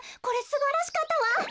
これすばらしかったわ！